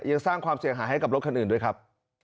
ยังสร้างความเสียหายให้กับรถคันอื่นด้วยครับ